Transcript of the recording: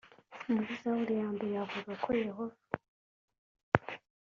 muri zaburi ya mbere havuga ko yehova